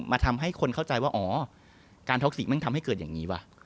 ทำให้คนเข้าใจว่าอ๋อการท็อกสีมันทำให้เกิดอย่างนี้วะ